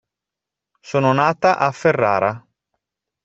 Sono nata a Ferrara.